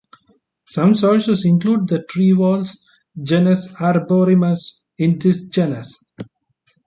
Some sources include the tree voles, genus "Arborimus", in this genus.